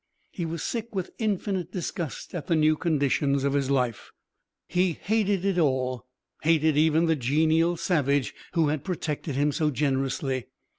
He was sick with infinite disgust at the new conditions of his life. He hated it all, hated even the genial savage who had protected him so generously.